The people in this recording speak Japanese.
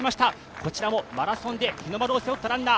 こちらもマラソンで日の丸を背負ったランナー。